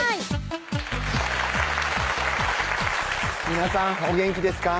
皆さんお元気ですか？